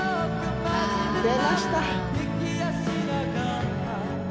出ました。